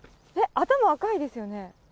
頭、赤いですよね。